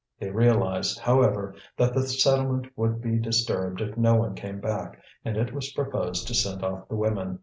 They realized, however, that the settlement would be disturbed if no one came back, and it was proposed to send off the women.